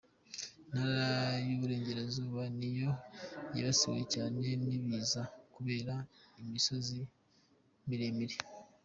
Intara y’uburengerazuba niyo yibasiwe cyane n’ibiza kubera imisozi miremire.